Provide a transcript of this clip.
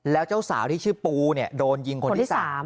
แล้วเจ้าสาวที่ชื่อปูเนี่ยโดนยิงคนที่สาม